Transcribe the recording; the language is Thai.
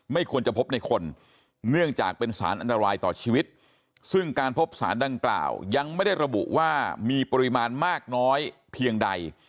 ไม่ควรจะพบในคนเนื่องจากเป็นสารอันตรายต่อชีวิตซึ่งการพบสารดังกล่าวยังไม่ได้ระบุว่ามีปริมาณมากน้อยเพียงใด